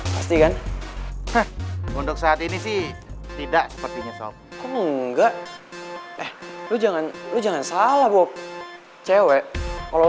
pasti kan untuk saat ini sih tidak sepertinya sop enggak lu jangan jangan salah bob cewek kalau